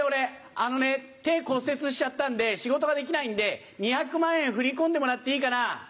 あのね手骨折しちゃったんで仕事ができないんで２００万円振り込んでもらっていいかな？